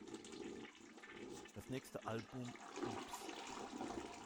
Das nächste Album "Oops!